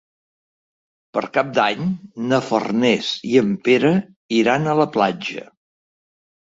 Per Cap d'Any na Farners i en Pere iran a la platja.